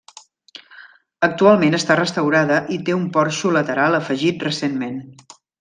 Actualment està restaurada i té un porxo lateral afegit recentment.